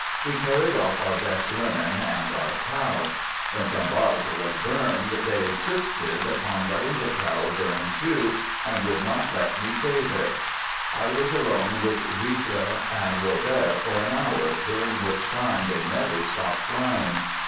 We carried off our best linen and our cow. When Sainte Barbe was burned, 118 Digitized by THE GOOD SOLDIER" 119 they insisted upon letting the cow burn too, and would not let me save it. I was alone with. Rita and Robert for an hour, during which time they never stopped crying.